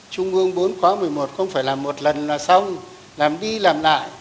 trung ương bốn khóa một mươi một không phải làm một lần là xong làm đi làm lại